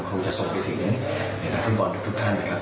คงจะส่งไปถึงนักฟุตบอลทุกท่านนะครับ